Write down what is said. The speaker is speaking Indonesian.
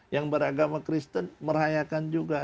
yang beragama kristen merayakan juga